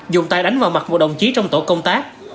dùng tay đánh vào mặt một đồng chí trong tổ công tác